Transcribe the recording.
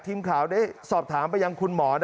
ทีมข่าวได้สอบถามไปยังคุณหมอ